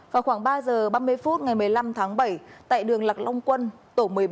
vào khoảng ba h ba mươi phút ngày một mươi năm tháng bảy tại đường lạc long quân tổ một mươi bảy